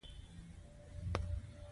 تکړه او با احساسه ډاکټر د ناروغ خيال ساتي.